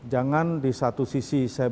jangan di satu sisi